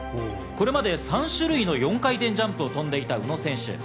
これまで３種類の４回転ジャンプを跳んでいた宇野選手。